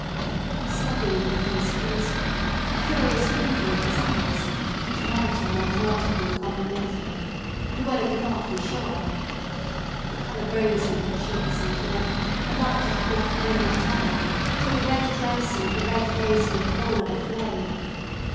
He was studying her face closely, a curious twinkle in his eyes, which might or might not have been complimentary. Luella could not be sure. The color rose in her cheeks and neck and up to her black walnut hair till the red dress and the red face looked all of a flame.